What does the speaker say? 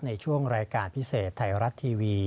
ในช่วงรายการพิเศษไทยรัฐทีวี